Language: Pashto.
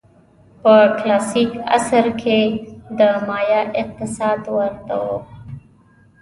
په کلاسیک عصر کې د مایا اقتصاد ورته و.